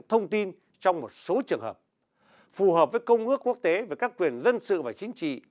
thông tin trong một số trường hợp phù hợp với công ước quốc tế về các quyền dân sự và chính trị